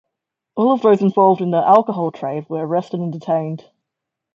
All of those involved in the 'alcohol trade' were arrested and detained.